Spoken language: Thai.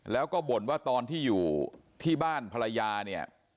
แล้วก็บ่นว่าตอนที่อยู่ที่บ้านภรรยาเนี่ย